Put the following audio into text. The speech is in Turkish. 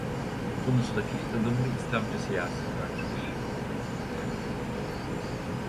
Tunus'taki ılımlı İslamcı siyasi partidir.